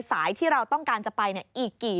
สายที่เราต้องการจะไปอีกกี่